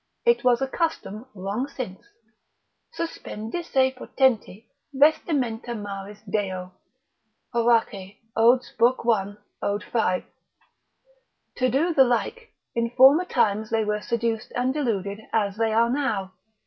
It was a custom long since, ———suspendisse potenti Vestimenta maris deo. Hor. Od. 1. lib. 5. Od. To do the like, in former times they were seduced and deluded as they are now.